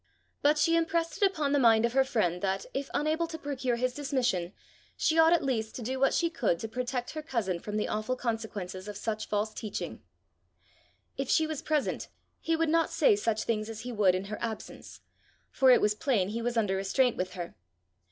But she impressed it upon the mind of her friend that, if unable to procure his dismission, she ought at least to do what she could to protect her cousin from the awful consequences of such false teaching: if she was present, he would not say such things as he would in her absence, for it was plain he was under restraint with her!